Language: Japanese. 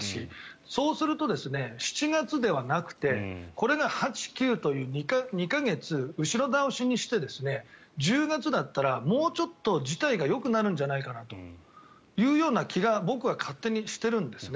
そうすると７月ではなくてこれが８月、９月という２か月、後ろ倒しにして１０月だったらもうちょっと事態がよくなるんじゃないかなという気が僕は勝手にしているんですね。